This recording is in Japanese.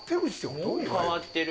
変わってる。